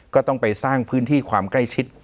ก็ต้องไปสร้างพื้นที่ความใกล้ชิด